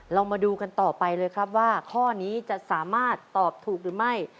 เรามาดูกันต่อไปเลยครับว่าข้อนี้จะสามารถตอบถูกหรือไม่